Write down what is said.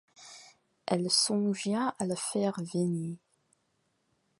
Elle songea à la faire venir.